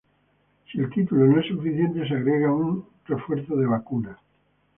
Si el título no es suficiente se agrega un refuerzo de vacuna.